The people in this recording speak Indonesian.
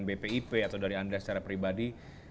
bpip atau dari anda secara pribadi